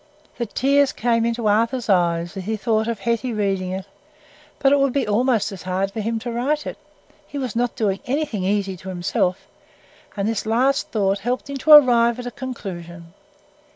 The tears came into Arthur's eyes as he thought of Hetty reading it; but it would be almost as hard for him to write it; he was not doing anything easy to himself; and this last thought helped him to arrive at a conclusion.